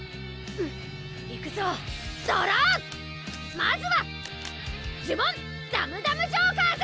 まずは呪文ダムダムジョーカーズ！